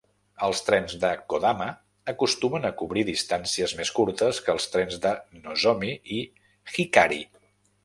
Els trens de "Kodama" acostumen a cobrir distàncies més curtes que els trens de "Nozomi" i "Hikari".